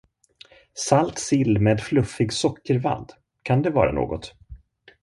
Salt sill med fluffig sockervadd, kan det vara något?